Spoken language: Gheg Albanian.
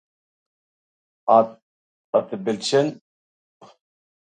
At..., a tw pwlqaen...